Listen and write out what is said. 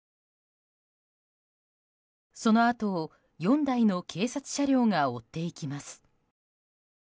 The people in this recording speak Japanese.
そのあとを４台の警察車両が追っていきます。